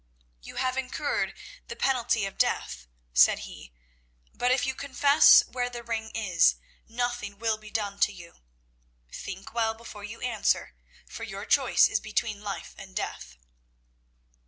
"You have incurred the penalty of death," said he, "but if you confess where the ring is, nothing will be done to you. Think well before you answer, for your choice is between life and death."